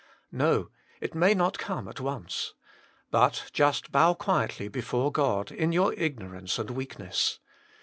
No; it may not come at once. But just bow quietly before God in your ignorance and weakness.